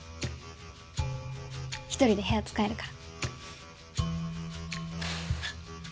１人で部屋使えるから。